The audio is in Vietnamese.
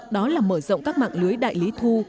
đó là mở rộng các mạng lưới đại lý thu